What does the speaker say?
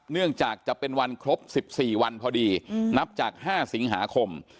เนื่องจากจะเป็นวันครบ๑๔วันพอดีนับจาก๕สิงหาคม